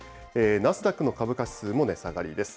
ナスダックの株価指数も値下がりです。